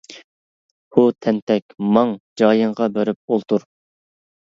ھۇ تەنتەك، ماڭ، جايىڭغا بېرىپ ئولتۇر.